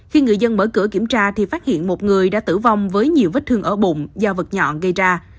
khi người dân mở cửa kiểm tra thì phát hiện một người đã tử vong với nhiều vết thương ở bụng do vật nhọn gây ra